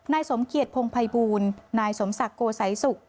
นายสมเกียจพงภัยบูลนายสมศักดิ์โกสัยสุข